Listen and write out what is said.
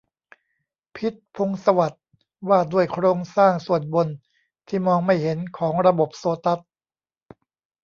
พิชญ์ พงษ์สวัสดิ์ : ว่าด้วยโครงสร้างส่วนบน ที่มองไม่เห็น ของระบบโซตัส